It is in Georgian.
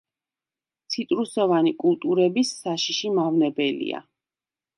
ციტრუსოვანი კულტურების საშიში მავნებელია.